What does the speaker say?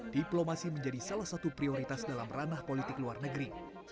diplomasi menjadi salah satu prioritas dalam ranah politik luar negeri